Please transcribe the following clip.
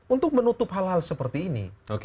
untuk menutup hal hal seperti ini